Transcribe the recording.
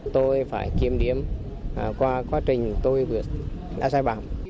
tôi phải kiếm điểm qua quá trình tôi vừa đã sai bảo